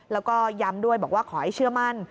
แล้วก็ย้ำด้วยบอกว่าขอให้เชื่อมั่น